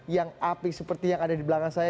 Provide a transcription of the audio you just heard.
yang apik seperti yang ada di belakang saya